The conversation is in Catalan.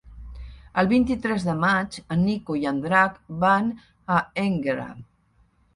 El vint-i-tres de maig en Nico i en Drac van a Énguera.